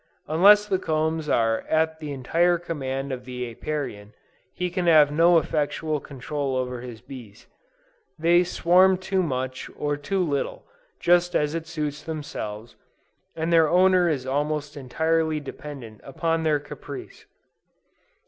Unless the combs are at the entire command of the Apiarian, he can have no effectual control over his bees. They swarm too much or too little, just as suits themselves, and their owner is almost entirely dependent upon their caprice.